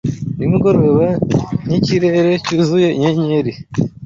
nimugoroba nkikirere cyuzuye inyenyeri